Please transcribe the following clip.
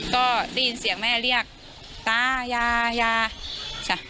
ก็ได้ยินเสียงแม่เรียกตายายายาจ้ะ